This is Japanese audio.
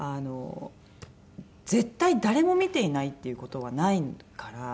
「絶対誰も見ていないっていう事はないから」。